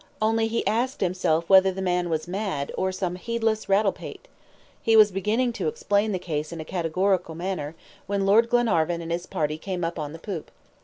Only he asked himself whether the man was mad, or some heedless rattle pate? He was beginning to explain the case in a categorical manner, when Lord Glenarvan and his party came up on the poop.